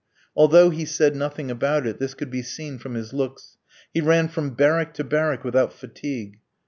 Although he said nothing about it, this could be seen from his looks. He ran from barrack to barrack without fatigue.